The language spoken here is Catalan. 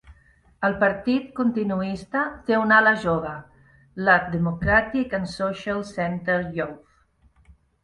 El partit continuista té una ala jove, la Democratic and Social Center Youth.